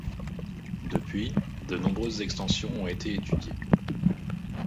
Depuis, de nombreuses extensions ont été étudiées.